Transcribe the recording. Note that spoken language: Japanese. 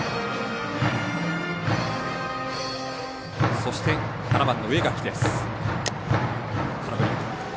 そして７番の植垣です。